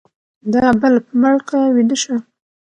دا بلپ مړ که ويده شه.